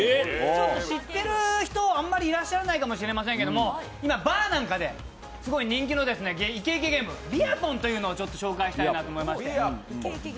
知ってる人、あんまりいらっしゃらないかもしれません今、バーなんかですごい人気のイケイケゲーム「ビアポン」というのをちょっと紹介したいと思っていまして。